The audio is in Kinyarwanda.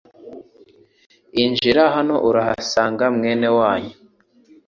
Injira hano urahasanga mwene wanyu .